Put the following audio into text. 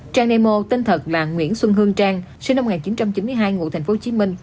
trang nemo tên thật là nguyễn xuân hương trang sinh năm một nghìn chín trăm chín mươi hai ngụ tp hcm